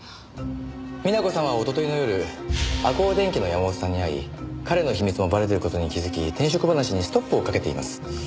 美奈子さんは一昨日の夜アコウ電器の山本さんに会い彼の秘密もバレている事に気づき転職話にストップをかけています。